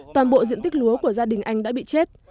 toàn bộ diện tích lúa của gia đình anh đã bị chết